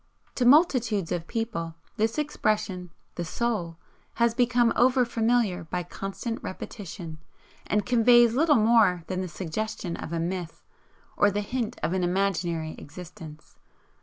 To multitudes of people this expression 'the Soul' has become overfamiliar by constant repetition, and conveys little more than the suggestion of a myth, or the hint of an Imaginary Existence.